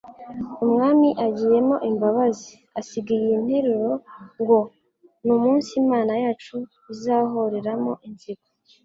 Umwami agiyemo imbabazi.» Asiga iyi nteruro ngo : «N'umunsi Imana yacu izahoreramo inzigo.»